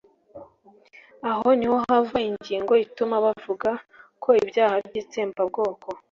Aho ni ho hava ingingo ituma bavuga ko ibyaha by'itsembabwoko